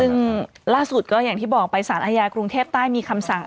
ซึ่งล่าสุดก็อย่างที่บอกไปสารอาญากรุงเทพใต้มีคำสั่ง